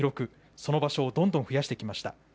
その場所をどんどん増やしてきました。